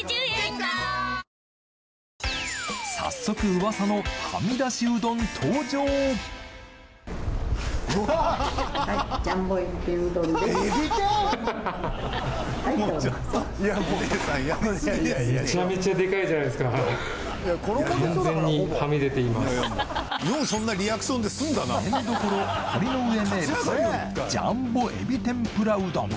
早速噂のはみだしうどん登場めん処ほりのうえ名物ジャンボ海老天ぷらうどん